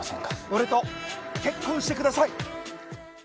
俺と結婚してください。